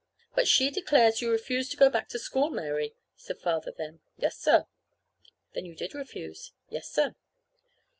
"But she declares you refused to go back to school, Mary," said Father then. "Yes, sir." "Then you did refuse?" "Yes, sir."